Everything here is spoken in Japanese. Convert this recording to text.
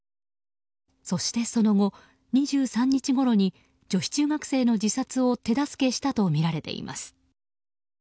そして、その後２３日ごろに女子中学生の自殺を手助けしたとみられています。